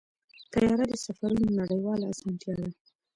طیاره د سفرونو نړیواله اسانتیا ده.